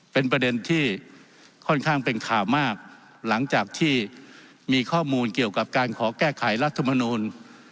เป็นประเด็นที่ค่อนข้างเป็นข่าวมากหลังจากที่มีข้อมูลเกี่ยวกับการขอแก้ไขรัฐมนูล